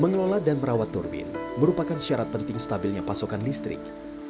mengelola dan merawat turbin merupakan syarat penting stabilnya pasokan listrik